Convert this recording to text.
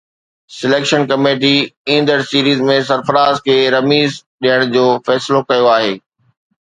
selection committee ايندڙ series ۾ Sarfraz کي رميز ڏيڻ جو فيصلو ڪيو آهي